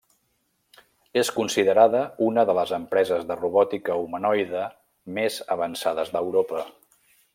És considerada una de les empreses de robòtica humanoide més avançades d'Europa.